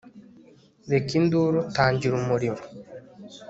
Reka induru Tangira umuriro